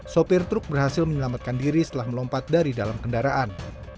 sopir truk berhasil menyelamatkan diri setelah melompat dari dalam kendaraan